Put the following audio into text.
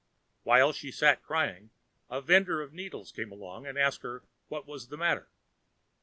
While she sat crying, a vender of needles came along and asked her what was the matter.